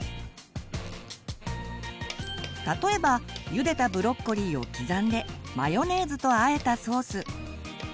例えばゆでたブロッコリーを刻んでマヨネーズと和えたソース。